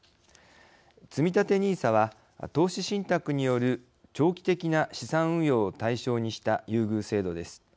つみたてＮＩＳＡは投資信託による長期的な資産運用を対象にした優遇制度です。